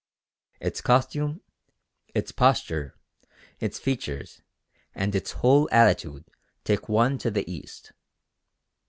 Its costume, its posture, its features, and its whole attitude take one to the East.